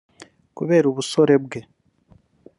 Kubera ubusore bwe